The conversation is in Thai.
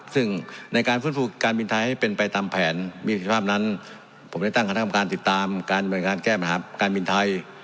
ซึ่งในการฟื้นฟูการบินไทยให้เป็นไปตามแผนมีสิทธิภาพนั้นผมได้ตั้งคณะกรรมการติดตามการบริการแก้ปัญหาการบินไทย